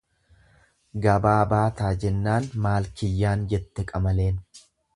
Gabaa baataa jennaan maal kiyyaan jette qamaleen.